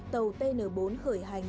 tàu tn bốn khởi hành